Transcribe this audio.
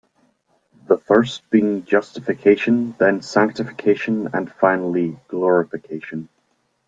The first being justification, then sanctification, and finally glorification.